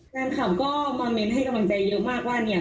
แฟนคลับก็มาเม้นให้กำลังใจเยอะมากว่าเนี่ย